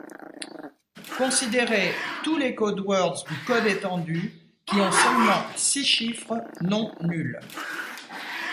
Considérer tous les codewords du code étendu qui ont seulement six chiffres non nuls.